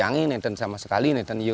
kami tidak tahu apa yang akan terjadi